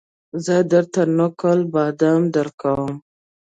زه درته نقل بادام درکوم